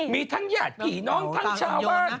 มีทั้งญาติผีน้องทั้งชาวบ้าน